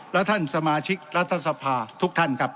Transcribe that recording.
และท่านสมาชิกรัฐสภาทุกท่านครับ